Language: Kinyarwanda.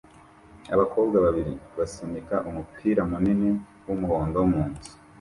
Abakobwa babiri basunika umupira munini w'umuhondo mu nzu